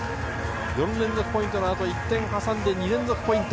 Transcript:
４連続ポイントのあと１点挟んで２連続ポイント。